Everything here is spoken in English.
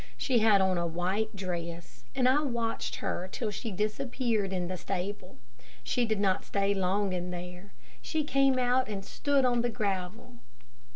She had on a white dress, and I watched her till she disappeared in the stable. She did not stay long in there. She came out and stood on the gravel.